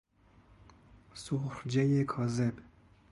سرخجۀ کاذب